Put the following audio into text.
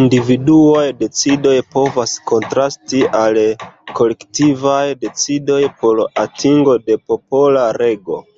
Individuaj decidoj povas kontrasti al kolektivaj decidoj por atingo de popola rego.